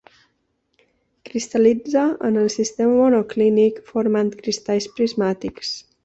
Cristal·litza en el sistema monoclínic formant cristalls prismàtics.